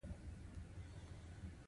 په سادهګۍ کښېنه، تکلف مه کوه.